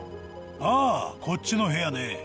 ああこっちの部屋ね。